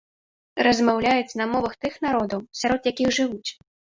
Размаўляюць на мовах тых народаў, сярод якіх жывуць.